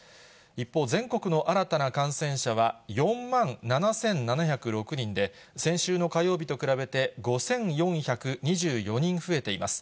一方、全国の新たな感染者は４万７７０６人で先週の火曜日と比べて５４２４人増えています。